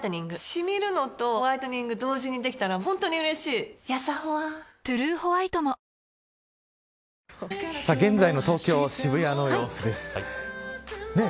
シミるのとホワイトニング同時にできたら本当に嬉しいやさホワ「トゥルーホワイト」も現在の東京・渋谷の様子です。